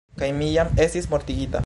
Kaj mi jam estis mortigita.